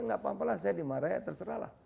enggak apa apalah saya dimarahin terserahlah